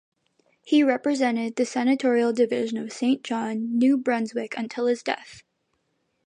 He represented the senatorial division of Saint John, New Brunswick until his death.